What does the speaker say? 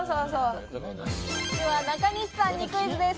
中西さんにクイズです。